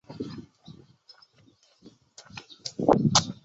白尾鼹属等之数种哺乳动物。